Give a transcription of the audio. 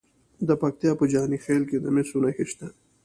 د پکتیا په جاني خیل کې د مسو نښې شته.